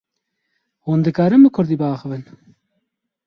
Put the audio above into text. Hûn dikarin bi Kurdî biaxivin?